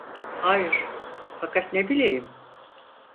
Hayır, fakat ne bileyim…